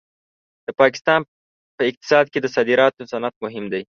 د پاکستان په اقتصاد کې د صادراتو صنعت مهم دی.